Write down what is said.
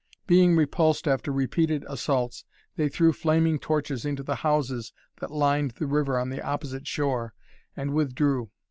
Being repulsed after repeated assaults, they threw flaming torches into the houses that lined the river on the opposite shore and withdrew.